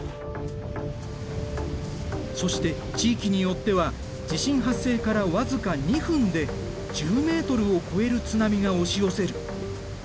そして地域によっては地震発生から僅か２分で１０ｍを超える津波が押し寄せる。